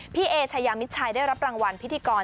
เอชายามิดชัยได้รับรางวัลพิธีกร